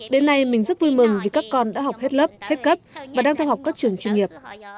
đến nay mình rất vui mừng vì các con đã học hết lớp hết cấp và đang theo học các trường chuyên nghiệp